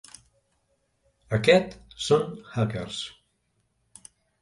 Aquest són hackers.